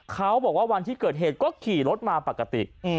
เขาบอกว่าวันที่เกิดเหตุก็ขี่รถมาปกติ